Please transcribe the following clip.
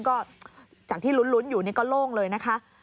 ก็จากที่ลุ้นอยู่นี่ก็โล่งเลยนะคะ